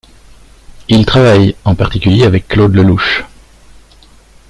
Il travaille en particulier avec Claude Lelouch.